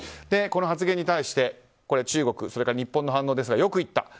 この発言に対して、中国それから日本の反応ですがよく言った。